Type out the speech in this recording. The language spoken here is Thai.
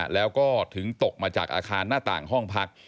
แล้วก็ถึงตกมาจากอาคารหน้าต่างห้องพัก